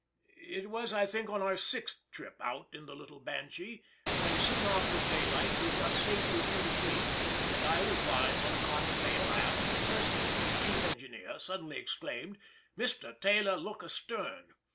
It was, I think, on our sixth trip out in the little Banshee, when soon after daylight we had got safely through the fleet, and I was lying on a cotton bale aft, that Erskine, the chief engineer, suddenly exclaimed, "Mr. Taylor, look astern!"